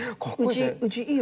「うちいいよ」